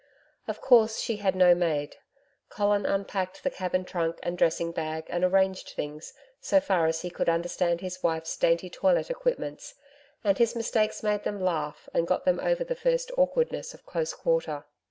Of course she had no maid. Colin unpacked the cabin trunk and dressing bag and arranged things so far as he could understand his wife's dainty toilet equipments, and his mistakes made them laugh and got them over the first awkwardness of close quarter.